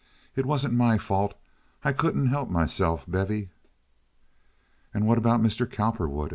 It wasn't my fault; I couldn't help myself, Bevy." "And what about Mr. Cowperwood?"